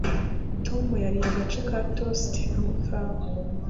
Tom yariye agace ka toast anywa ikawa.